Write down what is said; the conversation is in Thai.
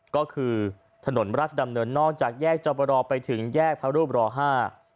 ก็คือถนนราชดำเนินนอกจากแยกจบรอไปถึงแยกพระรูปรอห้า